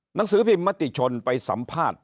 หนังสือพิมพ์มติชนไปสัมภาษณ์